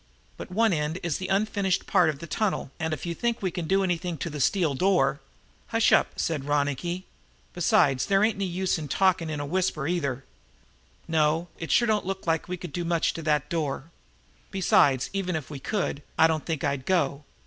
"But one end is the unfinished part of the tunnel; and, if you think we can do anything to the steel door " "Hush up," said Ronicky. "Besides, there ain't any use in you talking in a whisper, either. No, it sure don't look like we could do much to that door. Besides, even if we could, I don't think I'd go.